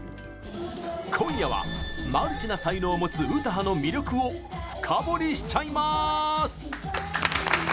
今夜は、マルチな才能を持つ詩羽の魅力を深掘りしちゃいまーす！